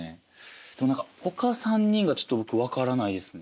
でも何かほか３人がちょっと僕分からないですね。